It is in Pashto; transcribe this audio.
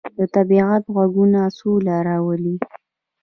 د طبیعت غږونه سوله راولي.